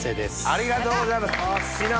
ありがとうございます。